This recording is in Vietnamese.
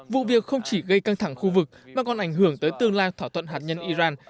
vụ việc không chỉ gây căng thẳng khu vực mà còn ảnh hưởng tới tương lai thỏa thuận hạt nhân iran